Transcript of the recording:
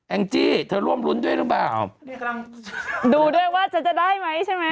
งจี้เธอร่วมรุ้นด้วยหรือเปล่าดูด้วยว่าจะได้ไหมใช่ไหม